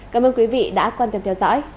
cảm ơn quý vị đã quan tâm theo dõi